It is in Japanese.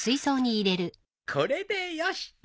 これでよしと。